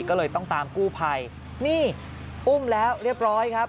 ก็เลยต้องตามกู้ภัยนี่อุ้มแล้วเรียบร้อยครับ